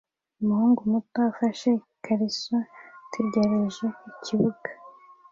Umuhungu muto afashe ikariso ategereje ikibuga